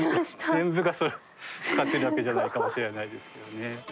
全部がそれを使ってるわけじゃないかもしれないですけどね。